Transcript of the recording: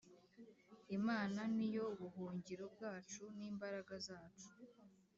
Imana ni yo buhungiro bwacu n imbaraga zacu